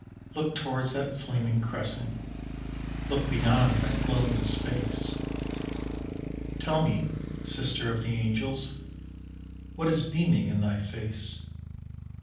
Look towards that flaming crescent look beyond that glowing space Tell me, sister of the angels, what is beaming in thy face?"